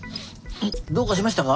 どうかしましたか？